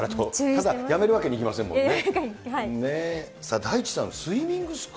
ただ、やめるわけにはいきませんもんね。